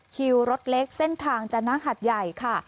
คิวรถเล็กเส้นทางจนะหัดใหญ่ค่ะ